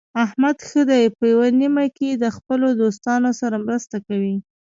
احمد ښه دی په یوه نیمه کې د خپلو دوستانو سره مرسته کوي.